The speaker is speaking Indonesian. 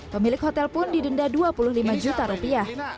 pemilik hotel pun didenda dua puluh lima juta rupiah